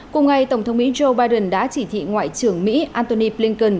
cùng ngày tổng thống mỹ joe biden đã chỉ thị ngoại trưởng mỹ antony blinken